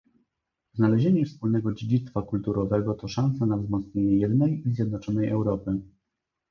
Znalezienie wspólnego dziedzictwa kulturowego to szansa na wzmocnienie jednej i zjednoczonej Europy